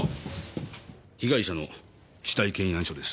被害者の死体検案書です。